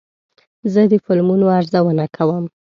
زه د فلمونو ارزونه کوم.